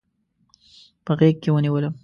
په غېږ کې ونیولم.